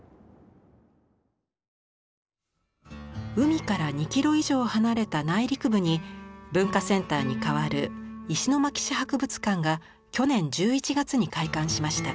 海から２キロ以上離れた内陸部に文化センターに代わる石巻市博物館が去年１１月に開館しました。